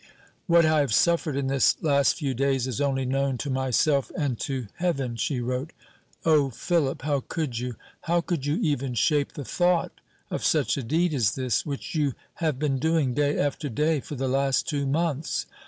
"What I have suffered in this last few days is only known to myself and to heaven," she wrote. "O Philip, how could you how could you even shape the thought of such a deed as this, which you have been doing, day after day, for the last two months?